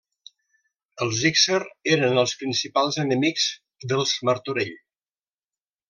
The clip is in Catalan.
Els Íxer eren els principals enemics dels Martorell.